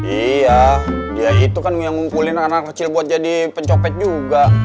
iya dia itu kan yang ngumpulin anak anak kecil buat jadi pencopet juga